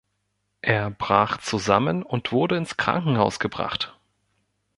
Er brach zusammen und wurde ins Krankenhaus gebracht.